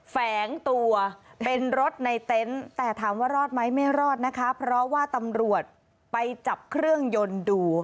แฝงตัวเป็นรถในเต็นต์แต่ถามว่ารอดไหมไม่รอดนะคะเพราะว่าตำรวจไปจับเครื่องยนต์ดู